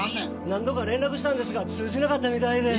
何度か連絡したんですが通じなかったみたいで。